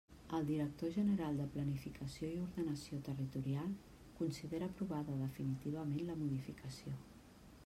El director general de Planificació i Ordenació Territorial considera aprovada definitivament la modificació.